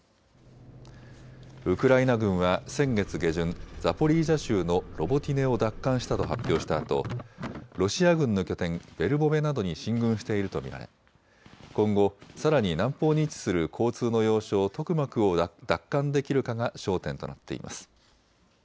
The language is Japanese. ウクライナ軍は先月下旬、ザポリージャ州のロボティネを奪還したと発表したあとロシア軍の拠点ベルボベなどに進軍していると見られ今後、さらに南方に位置する交通の要衝トクマクを奪還できるかが焦点となっています。